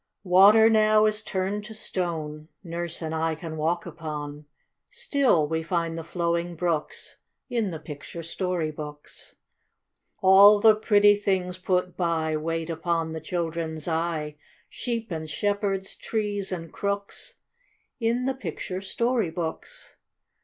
Water now is turned to stone Nurse and I can walk upon; Still we find the flowing brooks In the picture story books. All the pretty things put by, Wait upon the children's eye, Sheep and shepherds, trees and crooks, In the picture story books.